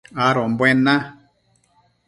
adombuen na